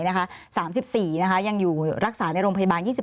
๓๔ยังอยู่รักษาในโรงพยาบาล๒๔